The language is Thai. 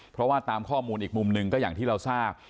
เพราะว่าตามข้อมูลอีกมุมหนึ่งก็อย่างที่เราทราบ